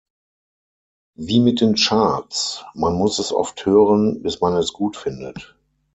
Wie mit den Charts: Man muss es oft hören, bis man es gut findet.